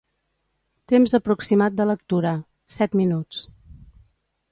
Temps aproximat de lectura: set minuts.